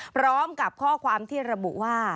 พร้อมกับข้อความที่ระบุว่า